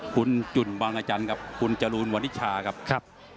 คุณจุ่นบางอาจารย์ครับคุณจรูนวันนิชาครับ